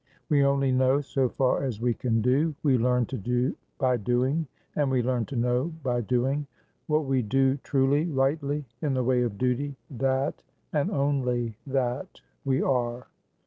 We only know so far as we can do; we learn to do by doing; and we learn to know by doing; what we do truly, rightly, in the way of duty, that and only that we are."